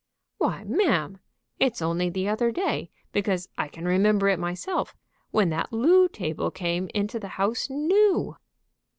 "Why, ma'am, it's only the other day, because I can remember it myself, when that loo table came into the house new!"